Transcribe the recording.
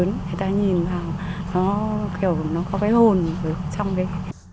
người ta nhìn vào nó kiểu nó có cái hồn ở trong đấy